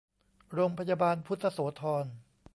โรงพยาบาลพุทธโสธร